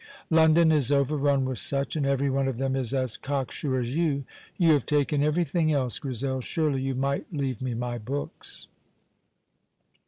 London is overrun with such, and everyone of them is as cock sure as you. You have taken everything else, Grizel; surely you might leave me my books."